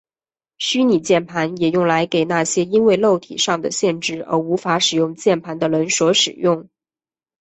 虚拟键盘也用来给那些因为肉体上的限制而无法使用键盘的人所使用。